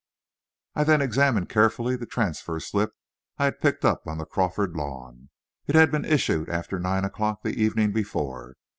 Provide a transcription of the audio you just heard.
I then examined carefully the transfer slip I had picked up on the Crawford lawn. It had been issued after nine o'clock the evening before.